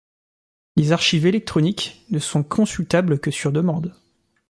Les archives électroniques ne sont consultables que sur demande.